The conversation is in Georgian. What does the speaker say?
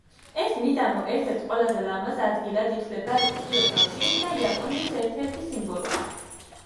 ეს მიდამო ერთ-ერთ ყველაზე ლამაზ ადგილად ითვლება კიოტოში და იაპონიის ერთ-ერთი სიმბოლოა.